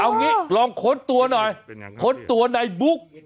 เอางี้ลองค้นตัวหน่อยค้นตัวในบุ๊ก